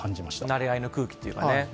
なれ合いの空気というかね。